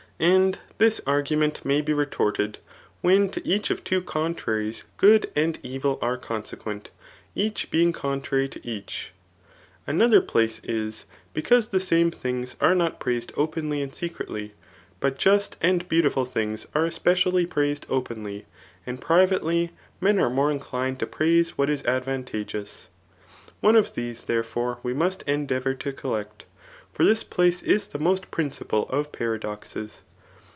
And this argu* ment may be retorted, when ta each of two contraries good and evil are consequent, each being contrary to each* Another place is, because the same things are not pcaised openly and secretly ; but just and beautiful tUngt are especially praised openly, and privately men are more inclined to praise what is advantageous. One of these, therefore, we must endeavour to collect. For this place is the most principal of paradoxes.